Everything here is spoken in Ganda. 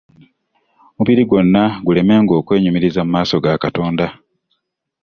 Omubiri gwonna gulemenga okwenyu miriza mu maaso ga Katonda.